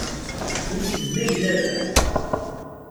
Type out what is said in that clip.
Wissen ma yella da?